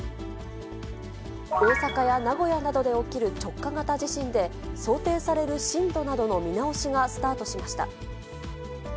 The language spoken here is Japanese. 大阪や名古屋などで起きる直下型地震で、想定される震度などの見直しがスタートしました。